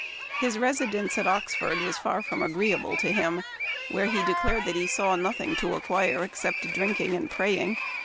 His residence at Oxford was far from agreeable to him, where he declared that he saw nothing to acquire except "drinking and praying."